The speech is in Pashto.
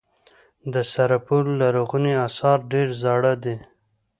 د سرپل لرغوني اثار ډیر زاړه دي